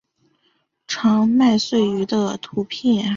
长麦穗鱼的图片